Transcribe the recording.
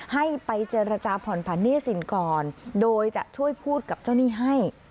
ให้ไปเจรจาผ่อนผันหนี้สินก่อนโดยจะช่วยพูดกับเจ้าหนี้ให้